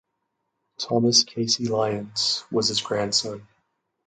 Thomas Casey Lyons was his grandson.